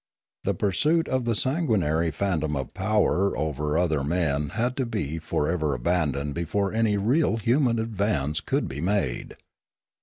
The pur suit of the sanguinary phantom of power over other men had to be for ever abandoned before any real human advance could be made.